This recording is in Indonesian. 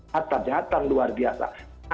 harta jahatan luar biasa